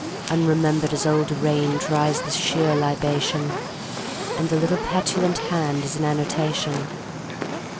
Unremembered as old rain Dries the sheer libation, And the little petulant hand Is an annotation.